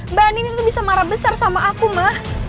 mbak andin itu bisa marah besar sama aku ma